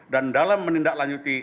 dan dalam menindaklanjuti